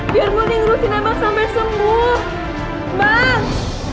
biar murni ngerusin emang sampe sembuh bang